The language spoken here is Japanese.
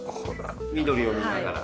緑を見ながら。